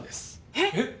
えっ！？